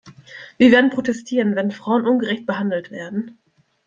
Wir werden protestieren, wenn Frauen ungerecht behandelt werden.